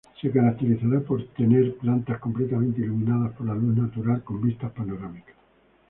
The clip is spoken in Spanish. Se caracterizará por tener plantas completamente iluminadas por la luz natural con vistas panorámicas.